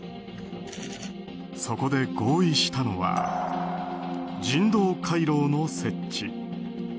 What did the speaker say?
そこで合意したのは人道回廊の設置。